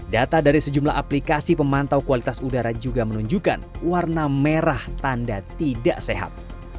data dari sejumlah aplikasi pemantau kualitas udara juga menunjukkan warna merah tanda tidak sehat